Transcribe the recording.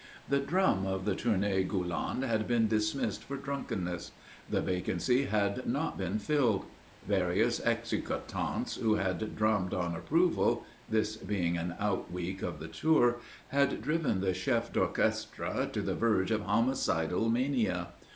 The drum of the Tournée Gulland had been dismissed for drunkenness. The vacancy had not been filled. Various executants who had drummed on approval this being an out week of the tour had driven the chef d'orchestre to the verge of homicidal mania.